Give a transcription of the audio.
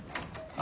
あ。